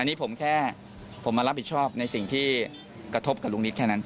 อันนี้ผมแค่ผมมารับผิดชอบในสิ่งที่กระทบกับลุงนิดแค่นั้น